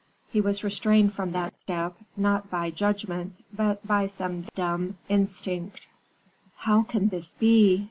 He was restrained from that step, not by judgment, but by some dumb instinct. "How can this be?